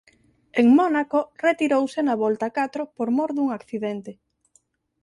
En Mónaco retirouse na volta catro por mor dun accidente.